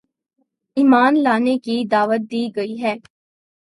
ایمان لانے کی دعوت دی گئی ہے